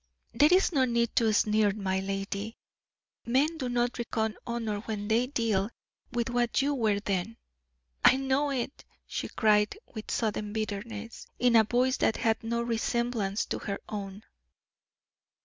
There is no need to sneer, my lady; men do not reckon honor when they deal with what you were then." "I know it," she cried, with sudden bitterness, in a voice that had no resemblance to her own.